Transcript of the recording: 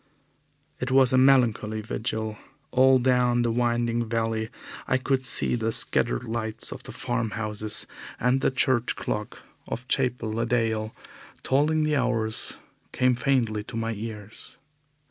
It was a melancholy vigil. All down the winding valley I could see the scattered lights of the farm houses, and the church clock of Chapel le Dale tolling the hours came faintly to my ears.